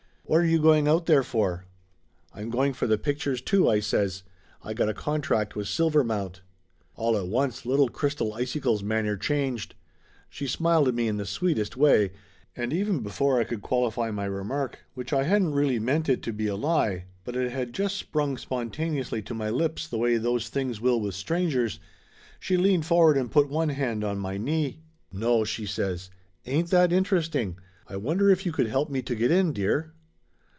"What are you going out there for?" "I am going for the pictures too," I says. "I got a contract with Silvermount." All at once little Crystal Icicle's manner changed. She smiled at me in the sweetest way, and even before I could qualify my remark, which I hadn't really meant it to be a lie, but it had just sprung spontaneously to my lips the way those things will with strangers, she leaned forward and put one hand on my knee. "No !" she says. "Ain't that interesting ! I wonder if you could help me to get in, dear?"